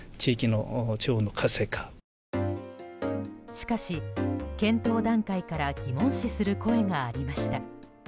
しかし、検討段階から疑問視する声がありました。